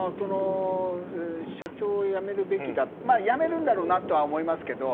社長を辞めるべきだ辞めるんだろうなとは思いますけど。